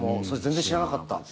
それ、全然知らなかった。